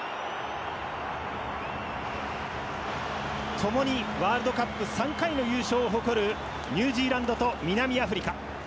ともにワールドカップ３回の優勝を誇るニュージーランドと南アフリカ。